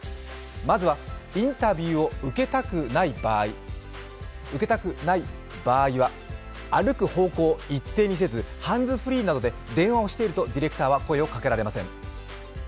まずはインタビューを受けたくない場合は歩く方法を一定にせず、ハンズフリーなどで電話をしていると、ディレクターは声をかけられません。